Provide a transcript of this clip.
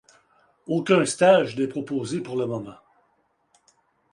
Aucun stage n'est proposé pour le moment.